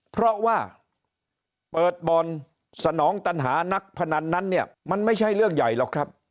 เพราะว่าเปิดบ่อนสนองตัญหานักพนันนั้นเนี่ยมันไม่ใช่เรื่องใหญ่หรอกครับ